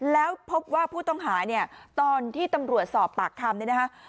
แล้วพบว่าผู้ต้องหาตอนที่ตำรวจสอบปากคำ